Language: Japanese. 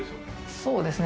そうですね。